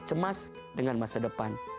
cemas dengan masa depan